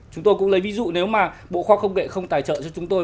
chúng tôi cũng lấy ví dụ nếu mà bộ khoa công nghệ không tài trợ cho chúng tôi